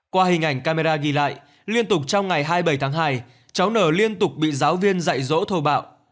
qua hình ảnh camera ghi lại liên tục trong ngày hai mươi bảy tháng hai cháu n liên tục bị giáo viên dạy dỗ thổ bạo